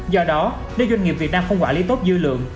do đó nếu doanh nghiệp việt nam không quản lý tốt dư lượng